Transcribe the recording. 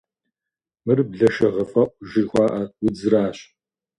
Мыр блэшэгъэфӏэӏу жыхуаӏэ удзращ.